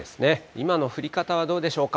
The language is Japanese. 今の降り方はどうでしょうか。